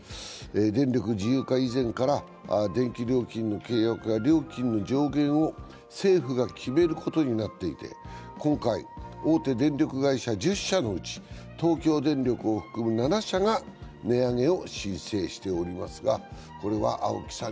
電力自由化以前から電気料金の契約は料金の上限を政府が決めることになっていて今回、大手電力会社１０社のうち東京電力を含む７社が値上げを申請しています。